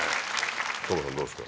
當真さんどうですか？